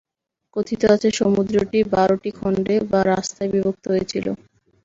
কথিত আছে, সমুদ্রটি বারটি খণ্ডে বা রাস্তায় বিভক্ত হয়েছিল।